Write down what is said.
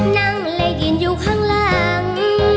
นั่งและยืนอยู่ข้างหลัง